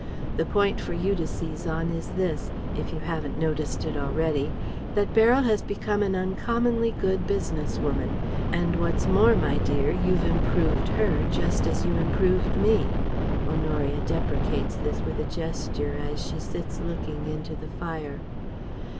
The point for you to seize on is this if you haven't noticed it already: that Beryl has become an uncommonly good business woman. And what's more, my dear, you've improved her just as you improved me" (Honoria deprecates this with a gesture, as she sits looking into the fire).